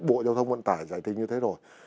bộ giao thông vận tải giải trình như thế rồi